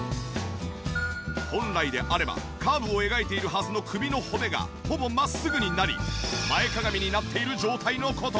本来であればカーブを描いているはずの首の骨がほぼ真っすぐになり前かがみになっている状態の事。